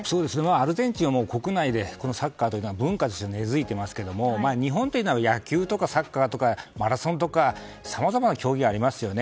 アルゼンチンは国内でサッカーというのは文化として根付いていますが日本というのは野球とかサッカーとかマラソンとかさまざまな競技がありますよね。